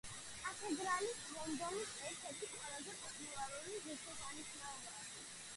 კათედრალი ლონდონის ერთ-ერთი ყველაზე პოპულარული ღირშესანიშნაობაა.